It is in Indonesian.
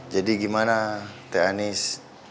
jadi gimana teh anies